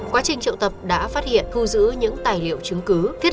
quá trình triệu tập đã phát hiện thu giữ những tài liệu chứng cứ